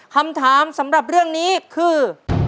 คำถามสำหรับเรื่องนี้คือ